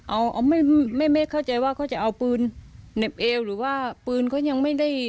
เอาไม่ไม่เข้าใจว่าเขาจะเอาปืนเหน็บเอวหรือว่าปืนเขายังไม่ได้